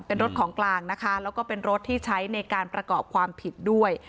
เป็นรถของกลางนะคะแล้วก็เป็นรถที่ใช้ในการประกอบความผิดด้วย